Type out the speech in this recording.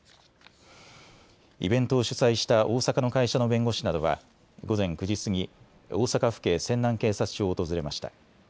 イベントを主催した大阪の会社の弁護士などは午前９時過ぎ、大阪府警泉南警察署を訪れました。